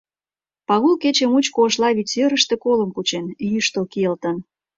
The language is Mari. Пагул кече мучко Ошла вӱд серыште колым кучен, йӱштыл кийылтын.